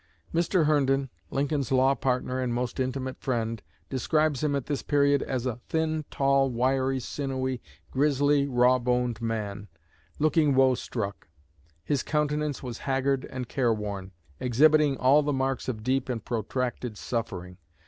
Mr. Herndon, Lincoln's law partner and most intimate friend, describes him at this period as a "thin, tall, wiry, sinewy, grizzly, raw boned man, looking 'woe struck.' His countenance was haggard and careworn, exhibiting all the marks of deep and protracted suffering.